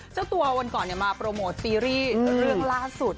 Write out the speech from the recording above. เจ้าตัววันก่อนมาโปรโมทซีรีส์เรื่องล่าสุด